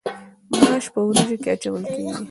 ماش په وریجو کې اچول کیږي.